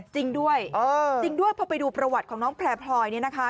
จริงด้วยจริงด้วยพอไปดูประวัติของน้องแพร่พลอยเนี่ยนะคะ